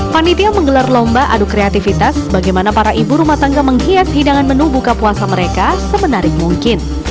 panitia menggelar lomba adu kreativitas bagaimana para ibu rumah tangga menghias hidangan menu buka puasa mereka semenarik mungkin